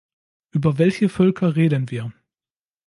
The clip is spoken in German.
Über welche Völker reden wir?